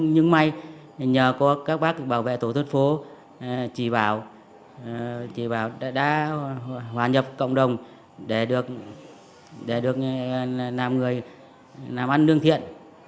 nhưng may nhờ các bác bảo vệ tổ thuật phố chỉ bảo chỉ bảo đã hòa nhập cộng đồng để được để được làm người làm ăn đương thiện